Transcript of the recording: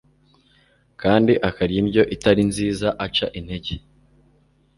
kandi akarya indyo itari nziza aca intege